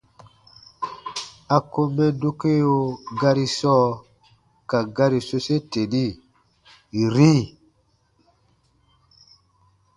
A kom mɛ dokeo gari sɔɔ ka gari sose teni: “-ri”.